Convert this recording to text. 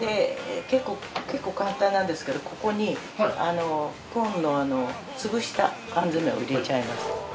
結構簡単なんですけどここにコーンの潰した缶詰を入れちゃいます。